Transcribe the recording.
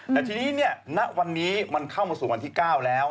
แต่ทีนี้ณวันนี้มันเข้ามาสู่วันที่๙แล้ว